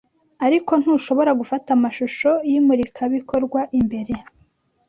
ariko ntushobora gufata amashusho yimurikabikorwa imbere.